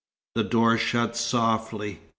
The door shut softly.